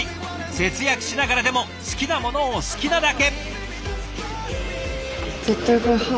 節約しながらでも好きなものを好きなだけ！